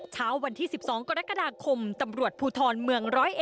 เช้าวันที่๑๒กรกฎาคมตำรวจภูทรเมือง๑๐๑